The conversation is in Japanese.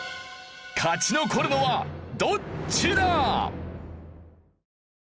勝ち残るのはどっちだ？